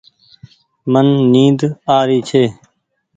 من نيد آري ڇي ۔